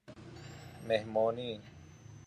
مﮩمانی